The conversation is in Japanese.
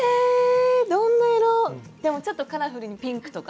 でもちょっとカラフルにピンクとか。